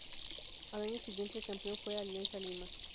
Al año siguiente el campeón fue Alianza Lima.